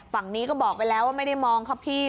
ฝั่งนี้ก็บอกไปแล้วว่าไม่ได้มองครับพี่